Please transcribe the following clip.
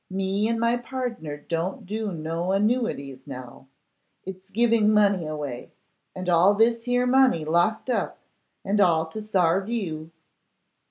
Me and my pardner don't do no annuities now. It's giving money away; and all this here money locked up; and all to sarve you.